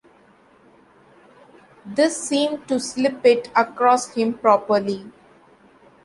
This seemed to slip it across him properly.